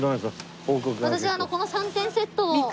私この３点セットを。